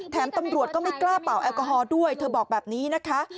ตำรวจก็ไม่กล้าเป่าแอลกอฮอล์ด้วยเธอบอกแบบนี้นะคะ